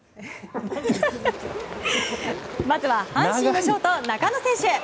まずは阪神のショート中野選手。